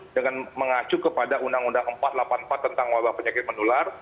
dengan mengacu kepada undang undang empat ratus delapan puluh empat tentang wabah penyakit menular